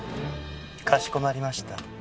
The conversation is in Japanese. かしこまりました。